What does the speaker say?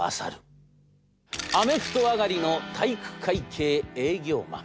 アメフト上がりの体育会系営業マン。